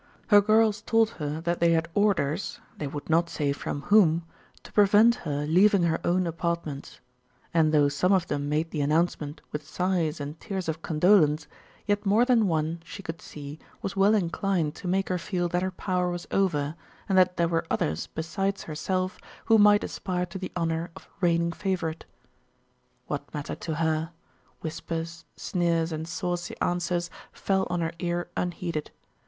Her girls told her that they had orders they would not say from whom to prevent her leaving her own apartments. And though some of them made the announcement with sighs and tears of condolence, yet more than one, she could see, was well inclined to make her feel that her power was over, and that there were others besides herself who might aspire to the honour of reigning favourite. What matter to her? Whispers, sneers, and saucy answers fell on her ear unheeded.